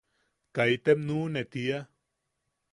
Kaitem nuʼune tiia.